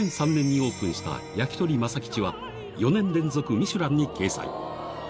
２００３年にオープンした焼き鳥まさ吉は、４年連続ミシュランに掲載。